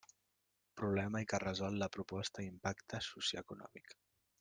Problema que resol la proposta i impacte socioeconòmic.